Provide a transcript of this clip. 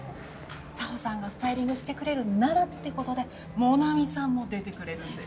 沙帆さんがスタイリングしてくれるならってことでモナミさんも出てくれるんで。